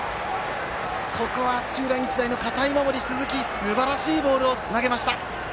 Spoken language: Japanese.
ここは、土浦日大の堅い守り鈴木すばらしいボールを投げました。